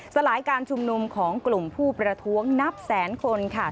สลายการชุมนุมของกลุ่มผู้ประท้วงนับแสนคน